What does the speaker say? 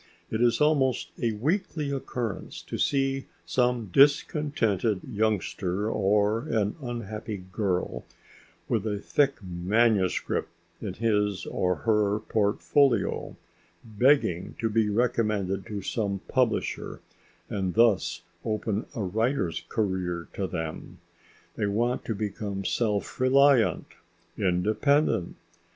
It is almost a weekly occurrence to see some discontented youngster or an unhappy girl with a thick manuscript in his or her portfolio, begging to be recommended to some publisher and thus open a writer's career to them. They want to become self reliant, independent.